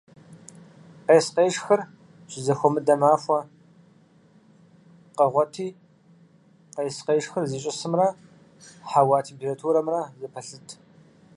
Къес-къешхыр щызэхуэмыдэ махуэ къэгъуэти къес-къешхыр зищӀысымрэ хьэуа температурэмрэ зэпэлъыт.